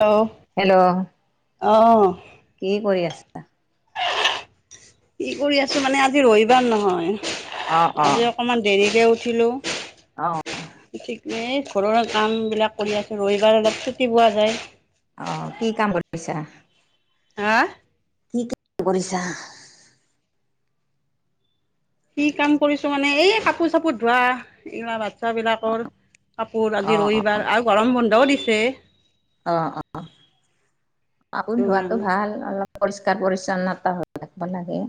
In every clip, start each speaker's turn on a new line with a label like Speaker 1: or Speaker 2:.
Speaker 1: অ।
Speaker 2: Hello.
Speaker 1: অ।
Speaker 2: কি কৰি আছা।
Speaker 1: কি কৰি আছো মানে আজি ৰবিবাৰ নহয়
Speaker 2: অ', অ',
Speaker 1: আজি অকমান দেৰিকে উঠিলো।
Speaker 2: অ।
Speaker 1: ঠিক এই ঘৰৰ কাম বিলাক কৰি আছো ৰবিবাৰ অলপ ছুটি পোৱা যায়।
Speaker 2: অহ কি কাম কৰিছা।
Speaker 1: হা।
Speaker 2: কি কাম কৰিছা।
Speaker 1: কি কাম কৰিছো মানে এই কাপোৰ চাপোৰ ধোৱা ইৰা বাচছা। চা বিলাকৰ কাপোৰ আজি
Speaker 2: অ', অ',
Speaker 1: ৰবিবাৰ আৰু গৰম বন্ধও দিছে।
Speaker 2: অ অ
Speaker 1: সেইটো
Speaker 2: আপোন ধোৱাতো
Speaker 1: কাৰণে
Speaker 2: ভাল অলপ। পৰিষ্কাৰ পৰিচ্ছন্নতা হৈ থাকিব লাগে।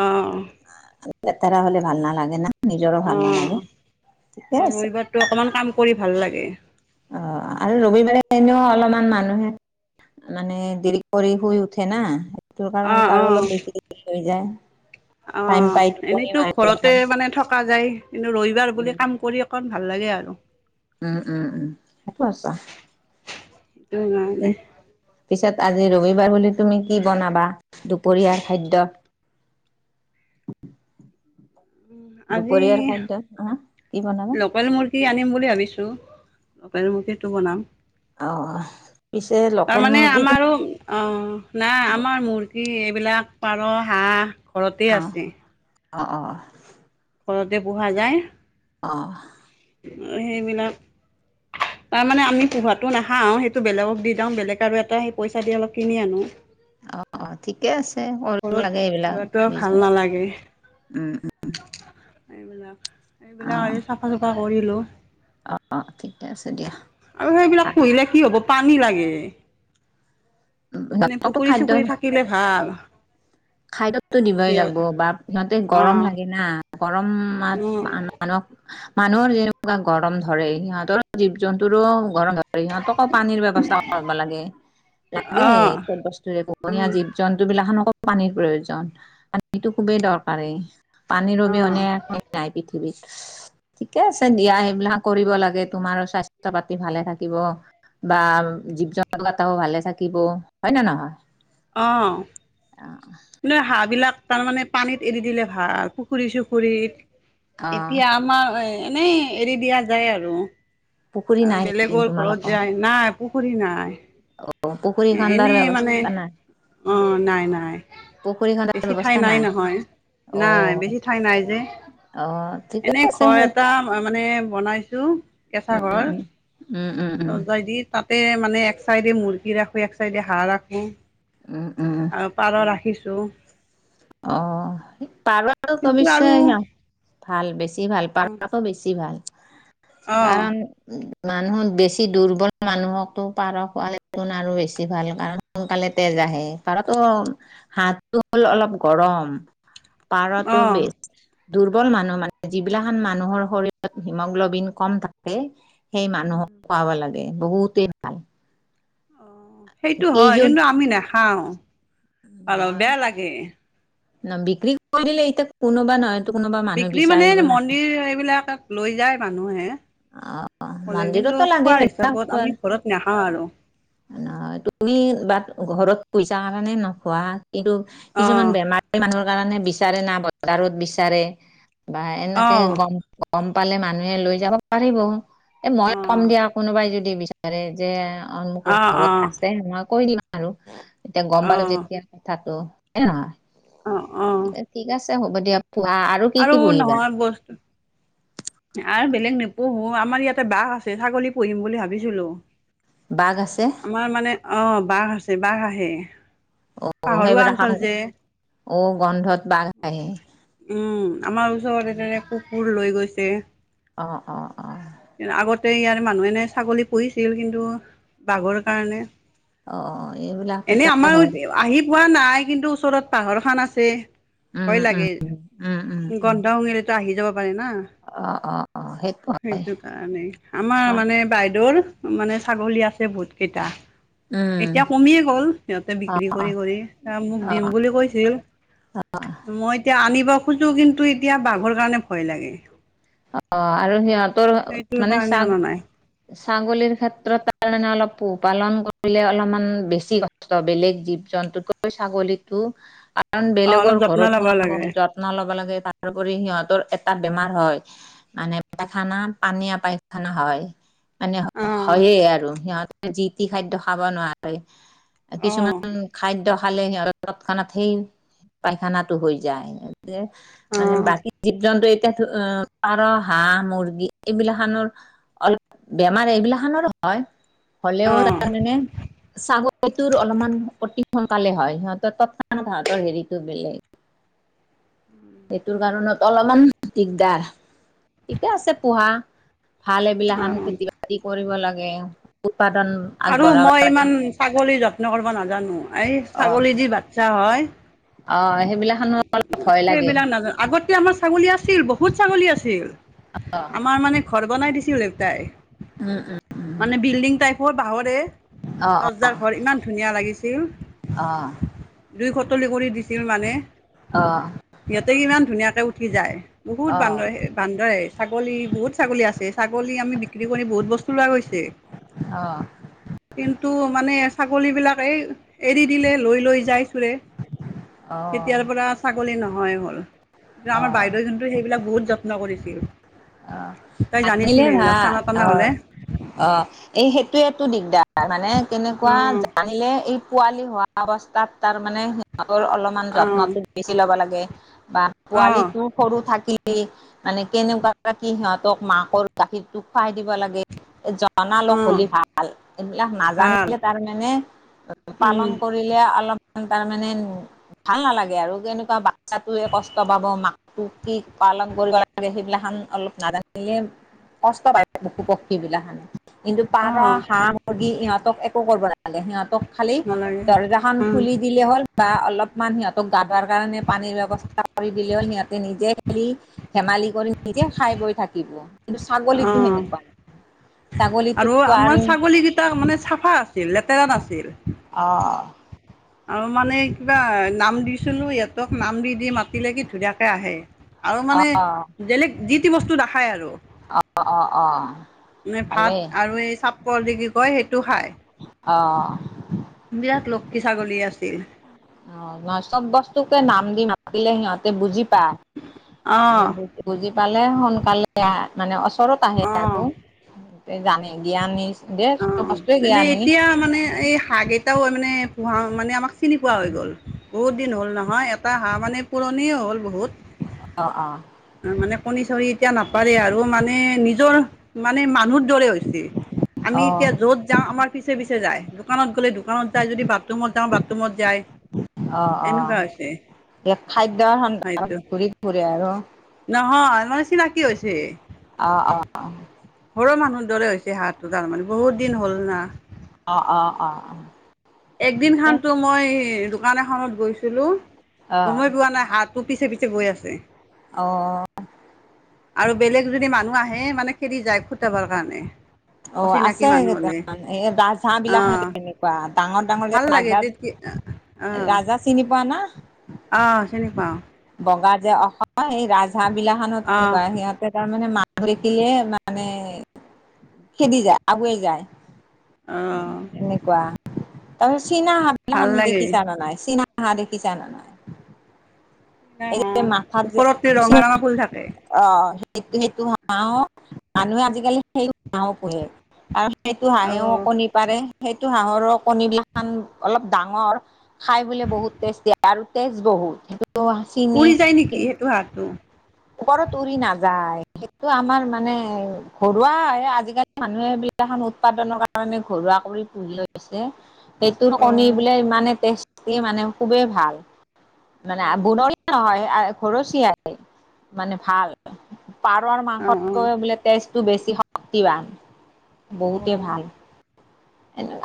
Speaker 1: অহঁ।
Speaker 2: বতাৰা হলে ভাল ন লাগে ন।
Speaker 1: অ আৰু
Speaker 2: আছে।
Speaker 1: ৰবিবাৰতো অকমান কাম কৰি ভাল লাগে।
Speaker 2: অ আৰু ৰবিবাৰে এনেও অলপমান মানুহে। মানে দেৰি কৰি শুই উঠে না সেইটো কাৰণ
Speaker 1: অ',
Speaker 2: আৰু
Speaker 1: অ',
Speaker 2: অলপ বেছি দেৰি হৈ যায়।
Speaker 1: অ
Speaker 2: টাইম পাই টোপনি
Speaker 1: এনেইতো
Speaker 2: মাৰিবৰ
Speaker 1: ঘৰতে
Speaker 2: কাৰণে।
Speaker 1: মানে থকা যায় কিন্তু ৰবিবাৰ
Speaker 2: উম,
Speaker 1: বুলি কাম কৰি অকণ। ভাল লাগে আৰু।
Speaker 2: উম উম উম একো আছা।
Speaker 1: ওমম [unintelligible]
Speaker 2: পিছত আজি ৰবিবাৰ বুলি তুমি কি বনাবা দুপৰীয়াৰ খাদ্য। [unintelligible]
Speaker 1: আজি
Speaker 2: দুপৰীয়াৰ খাদ্য আহ কি বনাবা
Speaker 1: লোকেল মুৰ্গী আনিম বুলি ভাবিছো। লকেল মুৰ্গীটো বনাম।
Speaker 2: অ পিছে লোকেল
Speaker 1: তাৰমানে
Speaker 2: মুৰ্গীটো
Speaker 1: আমাৰো অ নাই আমাৰ মোৰ। এইবিলাক পাৰ হাঁহ ঘৰতেই
Speaker 2: অ
Speaker 1: আছে।
Speaker 2: অ অ।
Speaker 1: ঘৰতে পোহা যায়।
Speaker 2: অঁ।
Speaker 1: ও হেইবেলাক। তাৰমানানে আমি পোহাতো নাখাও সেইটো বেলেগক দি যাওঁ বেলেগ আৰু এটা সেই পইচা দি অলপ কিনি আনো।
Speaker 2: অ অ ঠিকে আছে কৰিব
Speaker 1: ঘৰত
Speaker 2: লাগে এইবিলাক
Speaker 1: পোহাটো ভাল
Speaker 2: বিজনেচ
Speaker 1: নালাগে
Speaker 2: উম উ। [unintelligible]
Speaker 1: এইবিলাক এইবিলাক আৰু চাফা চুফা কৰিলো।
Speaker 2: অ অ ঠিকে আছে দিয়া
Speaker 1: আৰু সেইবিলাক
Speaker 2: ভাল।
Speaker 1: পুহিলে কি হ'ব পানী লাগে এনে
Speaker 2: সিহঁতকতো
Speaker 1: পুখুৰী চুখুৰী থাকিলে ভাল।
Speaker 2: খাদ্যটো দিবই
Speaker 1: সিহঁত
Speaker 2: লাগিব বা সিহঁতে গৰম
Speaker 1: অ',
Speaker 2: লাগে না। গৰমাত
Speaker 1: উম,
Speaker 2: মানক। মানুহৰ যেনেকুৱা গৰম ধৰে সিহঁতৰ জীৱ জন্তুৰো। ঘৰ সহঁতকো পানীৰ ব্যৱস্থা কৰিব লাগে। লাগে
Speaker 1: অ',
Speaker 2: চব বস্তুৰে পোহনীয়া
Speaker 1: উম,
Speaker 2: জীৱ -জন্তু বিলাখনকো পানীৰ প্ৰয়োজন, পানীতো খুবেই দৰকাৰেই। পানীৰ অবিহনে আমি নাই পৃথিৱীত।
Speaker 1: উ [inaudible]
Speaker 2: ঠিকে আছে দিয়া সেইবিলাক কৰিব লাগে তোমাৰো স্বাস্থ্য পাতি ভালে থাকিব বা জীৱ জন্তু কেটাও ভালে থাকিব হয় নে নহয়
Speaker 1: অ হাঁহ বিলাক তাৰমানে পানীত এৰি দিলে ভাল পুখুৰী চুখুৰীত
Speaker 2: অ
Speaker 1: এতিয়া আমাৰ এনেই এৰি দিয়া যায় আৰু
Speaker 2: পুখুৰী নাই নেকি
Speaker 1: বেলেগৰ ঘৰত
Speaker 2: তোমালোকৰ
Speaker 1: যায় নাই পুখুৰী নাই
Speaker 2: অ পুখুৰী
Speaker 1: এ
Speaker 2: খন্দাৰ
Speaker 1: এনেই মানে
Speaker 2: ব্যৱস্থা নাই
Speaker 1: অ নাই নাই
Speaker 2: পুখুৰী খন্দাৰ
Speaker 1: বেছি ঠাই
Speaker 2: ব্যৱস্থা
Speaker 1: নাই নহয়
Speaker 2: অ
Speaker 1: নাই বেছি ঠাই নাই যে
Speaker 2: অ ঠিকে
Speaker 1: এনেই
Speaker 2: আছে সেই
Speaker 1: ঘৰ এটা মানে বনাই কেঁচা ঘৰ
Speaker 2: উম উম
Speaker 1: ত
Speaker 2: উম
Speaker 1: যাইদি তাত তাতে মানে এক চাইডে মুৰ্গী ৰাখো এক চাইডে হাঁহ ৰাখো
Speaker 2: উম উম
Speaker 1: আৰু পাৰ ৰাখিছো য
Speaker 2: অ পাৰটো
Speaker 1: কিন্তু
Speaker 2: অৱশ্য
Speaker 1: আৰু
Speaker 2: স ভাল বেছি ভাল পাৰটো বেছি ভাল
Speaker 1: অ',
Speaker 2: কাৰণ উ মানুহত বেছি দুৰ্বল মানুহকো পাৰ পোৱালি আৰু বেছি ভাল কাৰণ সোনকালে তেজ আহে পাৰটো হাড়টো হ'ল অলপ গৰম
Speaker 1: অ'।
Speaker 2: পাৰটো
Speaker 1: অ',
Speaker 2: বে দুৰ্বল মানুহ মানে যিবিলাখন মানুহৰ শৰীৰত হিমগ্লবিন কম থাকে সেই মানুহক খোৱাব লাগে বহুতেই ভাল
Speaker 1: অ, সেইটো হয়
Speaker 2: কেইযোৰ
Speaker 1: কিন্তু আমি নেখাও। পাৰ বেয়া লাগে।
Speaker 2: না বিক্ৰী কৰিলে ইতিয়া কোনোবা নহয়
Speaker 1: বিক্ৰী মানে মন্দিৰ এইবিলাক লৈ যায় মানুহে। কলে
Speaker 2: মন্দিৰতো
Speaker 1: কিন্তু
Speaker 2: লাগে
Speaker 1: খোৱাৰ হিচাপত
Speaker 2: সেইবিলাক
Speaker 1: আমি ঘৰত নেখাও আৰু।
Speaker 2: নহয় তুমি বাট ঘৰত পইচা কাৰণে নোখোৱা কিন্তু কিছুমান
Speaker 1: অ',
Speaker 2: বেমাৰী মানুহৰ কাৰণে বি চাৰে না বজাৰত বিচাৰে বা এনেকে
Speaker 1: অ'।
Speaker 2: গ -গম পালে মানুহে লৈ যাব পাৰিব, এ মই কম
Speaker 1: অ',
Speaker 2: দিয়া কোনোবাই যদি বিচাৰে যে অমোকৰ
Speaker 1: অ',
Speaker 2: ঘৰত
Speaker 1: অ',
Speaker 2: আছে মই কৈ দিম আৰু এতিয়া গম পালো
Speaker 1: অ',
Speaker 2: যেতিয়া কথাটো।
Speaker 1: অ', অ'।
Speaker 2: এৰা। ঠিক আছে হ'ব দিয়া পোহা আৰু কি কি পুহিবা?
Speaker 1: নহয় বস্তু আৰু বেলেগ নোপোহো, আমাৰ ইয়াতে বাঘ আছে, ছাগলী পুহিম বুলি ভাবিছিলো।
Speaker 2: বাঘ আছে
Speaker 1: আমাৰ মানে অহ বাঘ আছে বাঘ আহে।
Speaker 2: অ
Speaker 1: পাহৰুৱা
Speaker 2: সেইবিলাক
Speaker 1: অঞ্চল যে।
Speaker 2: অ গন্ধত। বাঘ আহে
Speaker 1: উম আমাৰ ওচৰত তেনে কুকুৰ লৈ গৈছে।
Speaker 2: অ অ অ।
Speaker 1: আগতে ইয়াৰ মানুহ এনে ছাগলী পুহিছিল কিন্তু বাঘৰ কাৰণে
Speaker 2: অ এইবিলাক
Speaker 1: এনে
Speaker 2: তেতিয়া
Speaker 1: আমাৰ
Speaker 2: হয়
Speaker 1: আহি পোৱা নাই কিন্তু ওচৰত পাহৰ খান আছে।
Speaker 2: উম
Speaker 1: ভয়
Speaker 2: উম
Speaker 1: লাগে,
Speaker 2: উম, উম, উম।
Speaker 1: গন্ধ শুঙিলেতো আহি যাব। পাৰে না
Speaker 2: অ অ অ সেইটো।
Speaker 1: সেইটো কাৰণে আমাৰ
Speaker 2: হয়।
Speaker 1: মানে বাইদেউৰ মানে ছাগলী আছে বহুত কেইটা।
Speaker 2: উম,
Speaker 1: এতিয়া কমিয়ে গ'ল সিহঁতে বিক্ৰী কৰি কৰি, ত মোক
Speaker 2: অ',
Speaker 1: দিম বুলি কৈছিল। মই এতিয়া আনিব খোজো কিন্তু এতিয়া বাঘৰ কাৰণে ভয় লাগে।
Speaker 2: অ আৰু সিহঁতৰ
Speaker 1: সেইটোৰ
Speaker 2: মানে
Speaker 1: কাৰণে
Speaker 2: চাক
Speaker 1: অনা নাই
Speaker 2: ছাগলীৰ ক্ষেত্ৰত তাৰ মানে অলপ পোহপালন কৰিলে অলপমান বেছি কষ্ট বেলেগ জীৱ জন্তুকৈ ছাগলীটো কাৰণ
Speaker 1: অ অলপ
Speaker 2: বেলেগৰ
Speaker 1: যত্ন
Speaker 2: ঘৰত
Speaker 1: ল'ব লাগে
Speaker 2: সোমাব যত্ন ল'ব লাগে তাৰপৰি সিহঁতৰ এটা বেমাৰ হয় মানে বেটাখানা পানীয় পায়খানা হয় মানে
Speaker 1: অ
Speaker 2: হয়েই আৰু সিহঁতে যি টি খাদ্যয় খাব নোৱাৰে
Speaker 1: অ
Speaker 2: কিছুমান খাদ্য খালে সিহঁত তৎক্ষণাত সেই পাইখানাটো হৈ যায়। যে মানে বাকী জীৱ- জন্তু এতিয়া অ পাৰ, হাঁহ, মুৰ্গী এইবিলাখনৰ অলপ বেমাৰ এইবিলাখনৰো হয়। হ'লেও তাৰ মানে ছাগলটোৰ অলপমান অতি সোনকালে হয়, সিহঁতৰ তক্ষণ তাহতৰ হেৰিটো বেলেগ। সেইটোৰ কাৰণত অলপমান দিগদাৰ, ঠিকে আছে পোহা ভাল এইবিলাখান খেতি- বাতি কৰিব লাগে। ব
Speaker 1: আৰু মই ইমান ছাগলীৰ যত্ন কৰিব নাজানো, এই
Speaker 2: অ
Speaker 1: ছাগলী দি বাচ্ছা হয়
Speaker 2: অ সেইবিলাকখনো অলপ ভয় লাগে
Speaker 1: সেইবিলাক নাজা আগতে আমাৰ ছাগলী আছিল বহুত ছাগলী আছিল, আমাৰ মানে ঘৰ বনাই দিছিল দেউতাই।
Speaker 2: উম উম উম।
Speaker 1: মানে বিল্ডিং টাইপৰ বাঁহৰে।
Speaker 2: অ অ
Speaker 1: দজাৰ ঘৰ ইমান ধুনীয়া লাগিছিল,
Speaker 2: অ
Speaker 1: দুইশ উতলি কৰি দিছিল মানে।
Speaker 2: অ।
Speaker 1: সিহঁতে ইমান ধুনীয়াকে উঠি যায়, বহুত বান্দৰ আহে বান্দৰ আহে। ছাগলী বহুত ছাগলী আছে। ছাগলী আমি বিক্ৰী কৰি বহুত বস্তু লোৱা গৈছে।
Speaker 2: অঁ।
Speaker 1: কিন্তু মানে ছাগলীবিলাক এই এৰি দিলে, লৈ লৈ যায় চোৰে।
Speaker 2: অ
Speaker 1: কেতিয়াৰ পৰা ছাগলী নহয় হ'ল
Speaker 2: অ
Speaker 1: আমাৰ
Speaker 2: অ
Speaker 1: বাইদেউে যোনটো সেইবিলাক বহুত যত্ন কৰিছিল
Speaker 2: অহ
Speaker 1: তাই জানিছিল
Speaker 2: খাতিলে
Speaker 1: সেইবিলাক
Speaker 2: ভাল
Speaker 1: চানা তানা
Speaker 2: অহ
Speaker 1: হ'লে
Speaker 2: অহ এই সেইটোয়েটো দিগদাৰ মানে কেনেকুৱা
Speaker 1: অঁ
Speaker 2: জানিলে এই পোৱালি হোৱা অৱস্থাত তাৰমানে খাবৰ অলপমান
Speaker 1: অঁ
Speaker 2: যত্নত বেছি ল'ব লাগে বা
Speaker 1: অঁ
Speaker 2: পোৱালটো সৰু থাকিলে কি মানে কেনেকুৱা কি সিহঁতক মাকৰ গাখীৰটোক খুৱাই দিব লাগে। জানা অলপ
Speaker 1: অঁ
Speaker 2: হলি ভাল এইবিলাক
Speaker 1: ভাল
Speaker 2: নাজানিলে তাৰমানে পালন কৰিলে অলপ তাৰমানে ভাল নালাগে আৰু কেনেকুৱা বাচ্ছাতে কষ্ট পাব মাকোটো কি পালন কৰিব লাগে সেইবিলা খান অলপ নাজানিলে কষ্ট পায় পশু পক্ষী বিলাখান কিন্তু পাৰ
Speaker 1: অঁ
Speaker 2: হাঁহ মুৰ্গী ইহঁতক একো কৰিব নালাগে সিহঁতক খালি
Speaker 1: নালাগে
Speaker 2: দৰ্জা খ খুলি দিলে হ'ল বা অলপমান সিহঁতক গা ধোৱাৰ কাৰণে পানীৰ ব্যৱস্থা কৰি দিলে সিহঁতে নিজে খেলি ধেমালি কৰি এতিয়া খাই বৈ থাকিব কিন্তু ছাগলীতো
Speaker 1: অঁ
Speaker 2: সেনেকুৱা নাই
Speaker 1: আৰু আমাৰ ছাগলী কেইটা মানে চাফা আছিল লেতেৰা নাছিল
Speaker 2: অ
Speaker 1: আৰু মানে কিবা নাম দিছিলো সিহঁতক নাম দি দি মাতিলে কি ধুনীয়াকৈ আহে আৰু
Speaker 2: অ
Speaker 1: মানে বেলেগ যিতি বস্তু নেখায় আৰু
Speaker 2: অ অ অ
Speaker 1: নে ভাত
Speaker 2: ভালেই
Speaker 1: আৰু এই চাপকল যি যি কয় সেইটো খাই
Speaker 2: অহ
Speaker 1: বিৰাট লক্ষী ছাগলী আছিল।
Speaker 2: অহ ন চব বস্তুকে নাম দি মাতিলে সিহঁতে বুজি বা [unintelligible] মানে
Speaker 1: অঁ
Speaker 2: বু বুজি পালে সোনকালে মানে ওচৰত আহে
Speaker 1: অঁ
Speaker 2: আৰু জানে জ্ঞানী। দে চব
Speaker 1: অহ
Speaker 2: বস্তুৱে
Speaker 1: এনে
Speaker 2: জ্ঞানী
Speaker 1: এতিয়া মানে এই হাঁহ কেইটাও মানে পোহাৰ মানে আমাক চিনি পোৱা হৈ গ'ল। বহুত দিন হ'ল নহয় এটা হাঁহ মানে পুৰণি হ'ল বহুত
Speaker 2: অ অ
Speaker 1: মানে কণী চনি এতিয়া নাপাৰে আৰু মানে নিজৰ মানে মানুহৰ দৰে হৈছে।
Speaker 2: অ
Speaker 1: আমি এতিয়া যত যাওঁ আমাৰ পিছে পিছে যায়, দোকানত গ'লে দোকানত যায় যদি বাথৰুমত যাওঁ বাথৰুমত যায়।
Speaker 2: অ অ
Speaker 1: এনেকুৱা হৈছে
Speaker 2: এই খাদ্যৰ সন্ধানত ঘূৰি ফুৰে আৰু।
Speaker 1: অ [unintelligible] চিনাকি হৈছে।
Speaker 2: অ অ
Speaker 1: ঘৰৰ মানুহৰ দৰে হৈছে হাঁহটো তাৰমানে বহুত দিন হ'ল না।
Speaker 2: অঁহ অঁহ
Speaker 1: একদিন খান তো মই দোকান এখনত গৈছিলো গমেই পোৱা নাই হাত তোৰ পিছে পিছে বৈ আছে
Speaker 2: অহ
Speaker 1: আৰু বেলেগ যদি মানুহ আহে মানে খেদি যায় খুটাবৰ কাৰণে-
Speaker 2: অহ
Speaker 1: অচিনাকি
Speaker 2: আছে
Speaker 1: মানুহ হ'লে
Speaker 2: কেইটামান এই ৰাজহাঁহ বিলাক
Speaker 1: অ'।
Speaker 2: তেনেকুৱা ডাঙৰ ডাঙৰ যে
Speaker 1: ভাল লাগে তেতিয়া
Speaker 2: ৰাজহাঁহ- ৰাজহাঁহ চিনি পোৱা না?
Speaker 1: অহ চিনি পাওঁ।
Speaker 2: বগা যে অসমৰ সেই ৰাজহাঁহ বিলা খনত
Speaker 1: অঁ
Speaker 2: তেনেকুৱা সিহঁতে - মানে মানুহ দেখিলে মানে খেদি যায় আগুৱাই যায়।
Speaker 1: অঁ
Speaker 2: সেনেকোৱা তাৰ পিছত চীনা হাহঁ
Speaker 1: ভাল
Speaker 2: বিলাখান
Speaker 1: লাগে
Speaker 2: দেখিছা নাই? চীনা- হাঁহ দেখিছা নাই?
Speaker 1: নাই
Speaker 2: এই
Speaker 1: হাঁহ
Speaker 2: মাথাত যে
Speaker 1: ওপৰতে ৰঙা ৰঙা ফুল থাকে
Speaker 2: অহ সেইটো সেইটো হাঁহও মানুহে আজিকালি সেই হাঁহ ও পুহে আৰু- সেইটো
Speaker 1: অঁ
Speaker 2: হাঁহেও কণী পাৰে সেইটো হাঁহৰো কণী গিলাকান অলপ ডাঙৰ খাই বোলে বহুত টেষ্ট দিয়ে আৰু তেজ বহ- [unintelligible]
Speaker 1: উৰি যায় নেকি সেইটো হাঁহটো?
Speaker 2: ওপৰত উৰি নাযায় সেইটো আমাৰ মানে ঘৰুৱা হয় আজিকালি মানুহে য়াখন উৎপাদনৰ কাৰণে ঘৰুৱা কৰি পুহি লৈছে সেইটো কণী
Speaker 1: অঁ
Speaker 2: বোলে ইমানে টেষ্টি মানে খুবেই ভাল। মানে
Speaker 1: অঁ
Speaker 2: বনৰিয়া নহয় আৰু ঘৰচীয়া মানে ভাল। পাৰৰ
Speaker 1: অঁ অঁ
Speaker 2: মাংসকৈ বোলে তেজটো বেছি শক্তিৱান বহুতে
Speaker 1: অঁ
Speaker 2: ভাল।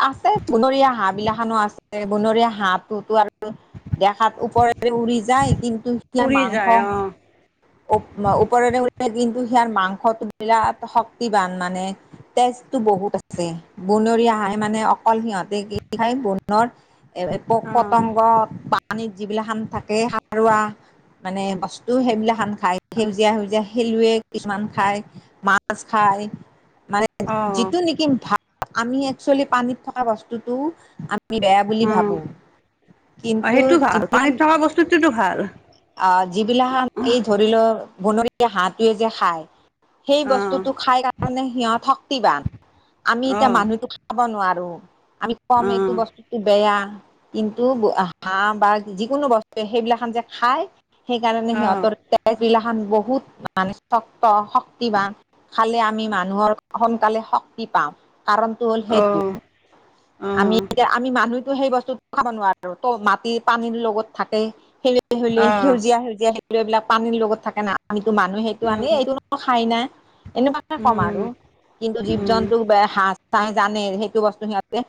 Speaker 2: আছে বনৰীয়া হাঁহ বিলাকানো আছে বনৰীয়া হাঁহ টোতো আৰু- দেখাত ওপৰেৰে উৰি যায় কিন্তু সেয়া
Speaker 1: উৰি যায়
Speaker 2: মাংস-
Speaker 1: অঁ
Speaker 2: উপম উপৰেৰে উৰি কিন্তু সেয়া মাংসটো বিৰাট শক্তিবান মানে তেজ টো বহুত আছে বনৰীয়া খাই মানে অকল সিহঁতে কি খাই বনৰ- পুক -
Speaker 1: অঁ
Speaker 2: পতংগ পানীত যিবিলাকখান থাকে সাৰুৱা- মানে বস্তু সেইবিলাক সান খাই সেউজীয়া সেউজীয়া- খেলুৱে কিছুমান খায় মাছ খায় মানে
Speaker 1: অঁ অঁ
Speaker 2: যিটো নেকি ভাল- আমি একচুৱেলি পানীত থকা বস্তুটো- আমি বেয়া বুলি ভাবো
Speaker 1: অঁ
Speaker 2: কিন্তু
Speaker 1: সেইটো ভাল পানীত থকা বস্তুটোতো ভাল
Speaker 2: [unintelligible] অ যিবিলাক হাঁহ
Speaker 1: অঁ
Speaker 2: এই ধৰি লোৱা বনৰীয়া হাঁহটোৱে যে খায়- সেই
Speaker 1: অঁ
Speaker 2: বস্তুটো খাই কাৰণে সিহঁত শক্তিবান আমি এতিয়া
Speaker 1: অঁ
Speaker 2: মানুহতো খাব নোৱাৰো। আৰু আমি কম এইটো
Speaker 1: অঁ
Speaker 2: বস্তুটো বেয়া কিন্তু হাঁহ বা যিকোনো বস্তু সেইবিলাকন যে খাই- সেই কাৰণে
Speaker 1: অঁ
Speaker 2: সিহঁতৰ [unintelligible] বহুত মানে শক্ত শক্তিবান খালে আমি মানুহৰ সোনকালে শক্তি- কাৰণ হল সেইটো আমি
Speaker 1: অঁ
Speaker 2: এতিয়া আমি মানু- টোতো সেই বস্তু খাব নোৱাৰো ত মাটি পানীৰ লগত থাকেই [unintelligible]
Speaker 1: অঁ
Speaker 2: সেউজীয়া সেউজীয়া সেলোৱৈ বিলাক পানীৰ লগত থাকে না আমি- ত মানুহ সেইটো আনি
Speaker 1: উম
Speaker 2: এইটো খাই না এনেকুৱাে ক'ম
Speaker 1: উম
Speaker 2: আৰু কিন্তু জীৱ
Speaker 1: উম
Speaker 2: জন্তুক [unintelligible] চাঁ জানে সেইটো বস্তু সিহঁত-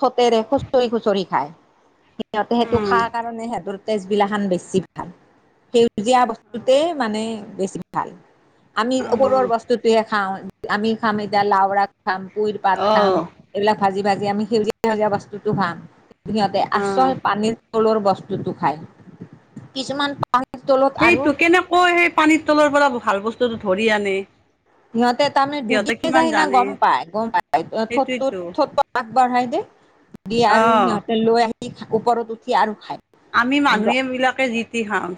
Speaker 2: থতেৰে খুচৰি খুচৰি খায় সিহঁতে সেইটো
Speaker 1: উম
Speaker 2: খা কাৰণে সিহঁতৰ- তেজবিলাখান বেছি ভাল সেউজীয়া
Speaker 1: অঁ
Speaker 2: বস্তুতে মানে বেছি ভাল আমি
Speaker 1: অ
Speaker 2: ওপৰৰ বস্তুটোহে খাওঁ আমি খাম এতিয়া লাওৰা খাম কুইৰ পাত
Speaker 1: অ
Speaker 2: খাম এইবিলাক ভাজি ভাজি আমি সেউজীয়া সেউজীয়া বস্তুটো খাম সিহঁতে
Speaker 1: অ',
Speaker 2: আচল পানীৰ তলৰ বস্তুটো খাই কিছুমান পানীৰ তলত আৰু
Speaker 1: সেইটো কেনেকৈ সেই পানীৰ তলৰ পৰা ভাল বস্তুটো ধৰি আনে
Speaker 2: সিহঁতে তাৰমানে
Speaker 1: সিহঁতে
Speaker 2: ডুবি
Speaker 1: কিমান
Speaker 2: যায় না
Speaker 1: জানে
Speaker 2: গম পায় গম পায় থত
Speaker 1: সেইটোৱেতো
Speaker 2: থত আগবঢ়াই দে দি
Speaker 1: অ
Speaker 2: আৰু সিহঁতে লৈ আহি ওপৰত উঠি আৰু খায়।
Speaker 1: আমি
Speaker 2: কিন্তু
Speaker 1: মানুহে বিলাকে জিতি খাওঁ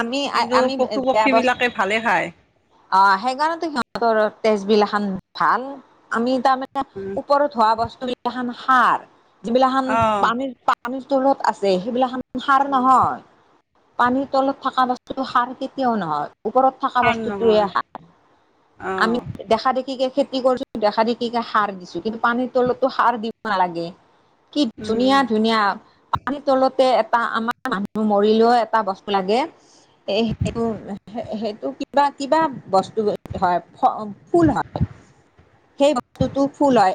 Speaker 2: আমি
Speaker 1: কিন্তু পশু পক্ষী বিলাকে ভালে খায়।
Speaker 2: অ সেইকাৰণে টো সিহঁতৰ তেজ বিলখান ভাল আমি তাৰমানে ওপৰত হোৱা বস্তু বিলাক যিলা খান সাৰ যিবিলা খান
Speaker 1: অ
Speaker 2: পানীৰ পানীৰ তলত আছে সেইবিলা খান সাৰ নহয় পানীৰ তলত থকা বস্তুটো সাৰ কেতিয়াও নহয়। ওপৰত থকা
Speaker 1: ভাল
Speaker 2: বস্তুটো হে
Speaker 1: নহয়
Speaker 2: সাৰ
Speaker 1: অ
Speaker 2: আমি দেখা দেখিকে খেতি কি কৰিছো দেখা দেখি কে সাৰ দিছো কিন্তু পানীৰ তলতো সাৰ দিব নালাগে কি ধুনীয়া
Speaker 1: উম
Speaker 2: ধুনীয়া পানী তলতে এটা আমাৰ মানুহ মৰিলেও এটা বস্তু লাগে এ সেইটো সেইটো কিবা কিবা বস্তু হয় ফুল হয় সেই বস্তুটো ফুল হয়